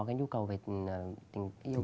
cái nhu cầu về tình yêu